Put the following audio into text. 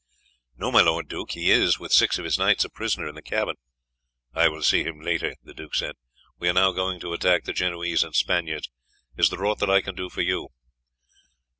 "No, my lord duke, he is, with six of his knights, a prisoner in the cabin." "I will see him later," the duke said; "we are now going to attack the Genoese and Spaniards. Is there aught that I can do for you?"